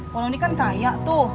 poh nunik kan kaya tuh